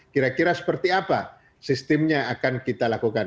kira kira seperti apa sistemnya akan kita lakukan